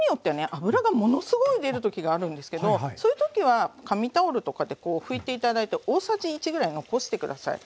脂がものすごい出る時があるんですけどそういう時は紙タオルとかでこう拭いて頂いて大さじ１ぐらい残して下さい。